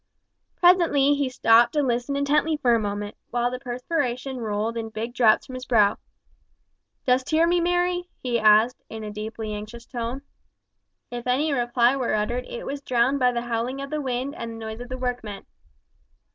Presently he stopped and listened intently for a moment, while the perspiration rolled in big drops from his brow. "Dost hear me, Mary?" he asked in a deeply anxious tone. If any reply were uttered it was drowned by the howling of the wind and the noise of the workmen.